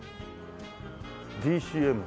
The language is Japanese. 「ＤＣＭ」。